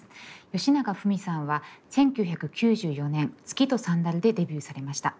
よしながふみさんは１９９４年「月とサンダル」でデビューされました。